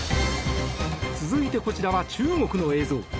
続いてこちらは中国の映像。